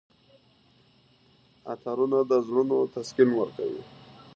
عطرونه د زړونو تسکین ورکوي.